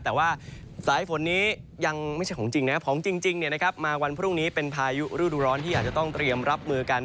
แต่ว่าสายฝนนี้ยังไม่ใช่ของจริงนะครับของจริงมาวันพรุ่งนี้เป็นพายุฤดูร้อนที่อาจจะต้องเตรียมรับมือกัน